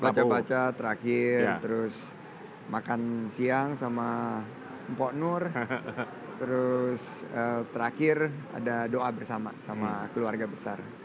baca baca terakhir terus makan siang sama mpok nur terus terakhir ada doa bersama sama keluarga besar